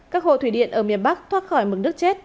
các hồ thủy điện ở miền bắc thoát khỏi mực nước chết